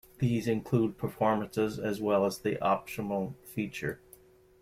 These include performance, as well as the optional features.